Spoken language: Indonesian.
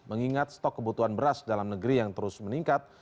mengingat stok kebutuhan beras dalam negeri yang terus meningkat